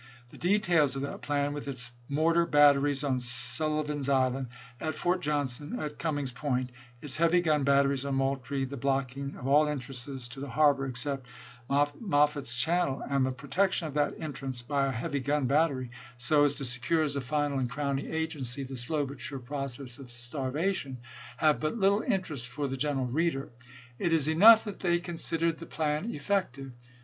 The details of that plan with its mortar batteries on Sullivan's Island, at Fort Johnson, at Cummings Point; its heavy gun batteries on Moultrie; the blocking of all entrances to the harbor except Maf fitt's channel, and the protection of that entrance by a heavy gun battery, so as to secure as a final THE MILITARY SITUATION AT CHAELESTON 125 and crowning agency " the slow (bnt sure) process chap. ix. of starvation," have but little interest for the gen eral reader. It is enough that they considered the plan effective.